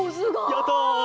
やった！